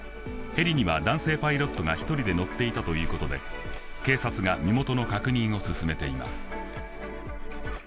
ヘリには男性パイロットが１人で乗っていたということで警察が身元の確認を進めています。